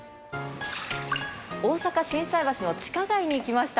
大阪、心斎橋の地下街にきました。